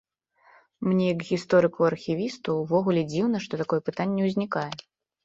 Мне як гісторыку-архівісту ўвогуле дзіўна, што такое пытанне ўзнікае.